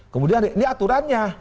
kemudian ini aturannya